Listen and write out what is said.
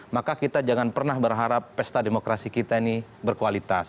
maka kita jangan pernah berharap pesta demokrasi kita ini berkualitas